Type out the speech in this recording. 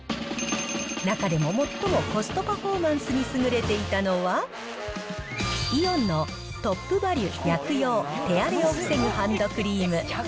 中でも最もコストパフォーマンスに優れていたのは、イオンのトップバリュ薬用手荒れを防ぐハンドクリーム。